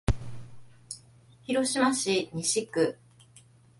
広島市西区